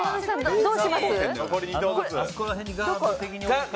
どうします？